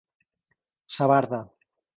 Ça barda.